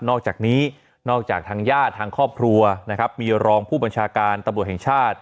อกจากนี้นอกจากทางญาติทางครอบครัวนะครับมีรองผู้บัญชาการตำรวจแห่งชาติ